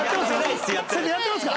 先生やってますか？